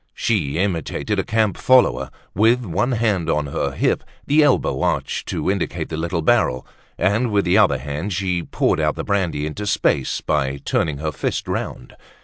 She imitated a camp follower, with one hand on her hip, the elbow arched to indicate the little barrel; and with the other hand she poured out the brandy into space by turning her fist round.